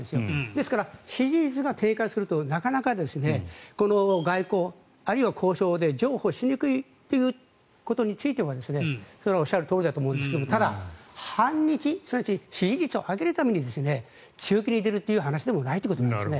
ですから支持率が低下するとなかなかこの外交あるいは交渉で譲歩しにくいということについてはおっしゃるとおりだと思うんですがただ、反日すなわち支持率を上げるために強気に出るという話でもないということなんです。